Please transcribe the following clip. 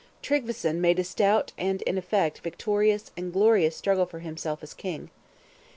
Tryggveson made a stout, and, in effect, victorious and glorious struggle for himself as king.